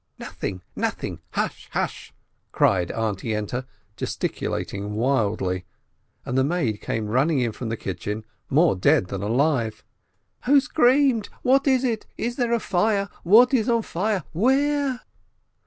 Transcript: "Nothing ! nothing ! hush ! hush !" cried Aunt Yente, gesticulating wildly, and the maid came running in from the kitchen, more dead than alive. "Who screamed ? What is it ? Is there a fire ? What is on fire? Where?"